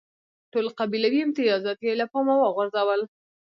ټول قبیلوي امتیازات یې له پامه وغورځول.